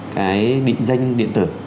cái định danh điện tử